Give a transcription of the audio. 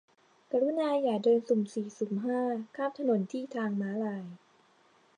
กรุณาอย่าเดินสุ่มสี่สุ่มห้า ข้ามถนนที่ทางม้าลาย